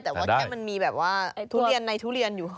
แต่ว่าแค่มันมีแบบว่าทุเรียนในทุเรียนอยู่